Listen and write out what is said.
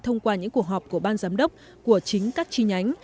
thông qua những cuộc họp của ban giám đốc của chính các chi nhánh